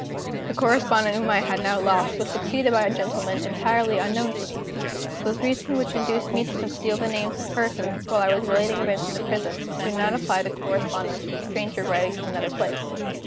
....... The correspondent whom I had now lost was succeeded by a gentleman entirely unknown to me. Those reasons which induced me to conceal the names of persons, while I was relating events in the prison, do not apply to correspondence with a stranger writing from another place.